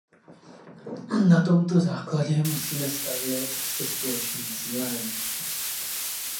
Na tomto základě musíme stavět se společným cílem.